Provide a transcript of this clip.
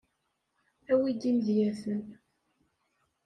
Awi-d imedyaten.